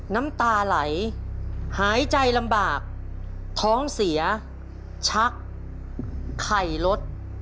น้ำตาไหลหายใจลำบากท้องเสียชักไข่รถ